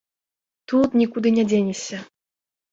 Тут нікуды не дзенешся.